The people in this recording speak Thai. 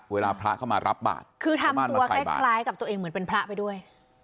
เวลาพระเข้ามารับบาทคือทำตัวคล้ายคล้ายกับตัวเองเหมือนเป็นพระไปด้วย